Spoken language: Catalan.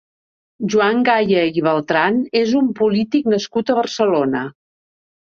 Joan Gaya i Beltran és un polític nascut a Barcelona.